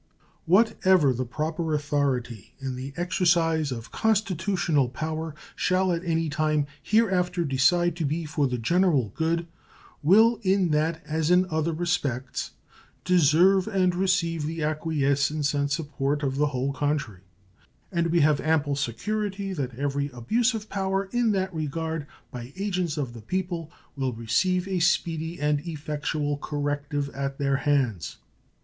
What ever the proper authority in the exercise of constitutional power shall at any time here after decide to be for the general good will in that as in other respects deserve and receive the acquiescence and support of the whole country, and we have ample security that every abuse of power in that regard by agents of the people will receive a speedy and effectual corrective at their hands.